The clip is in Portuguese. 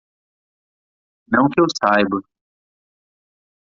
Não que eu saiba.